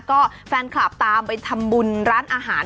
ก็แฟนคลับตามไปทำบุญร้านอาหาร